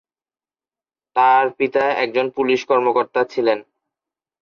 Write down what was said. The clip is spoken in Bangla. তার পিতা একজন পুলিশ কর্মকর্তা ছিলেন।